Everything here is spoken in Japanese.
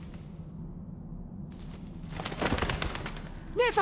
姉様！